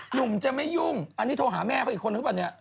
หนุ่มจะไม่ยุ่งอันนี้โทรหาแม่เขาอีกคนหรือเปล่าเนี่ย